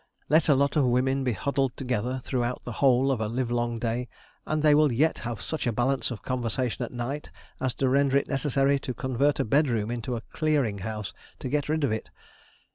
Let a lot of women be huddled together throughout the whole of a livelong day, and they will yet have such a balance of conversation at night, as to render it necessary to convert a bedroom into a clearing house, to get rid of it.